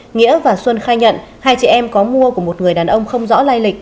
nghĩa và xuân khai nhận hai chị em có mua của một người đàn ông không rõ lai lịch